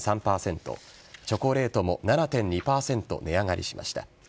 チョコレートも７．２％値上がりしました。